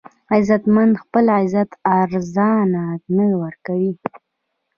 غیرتمند خپل عزت ارزانه نه ورکوي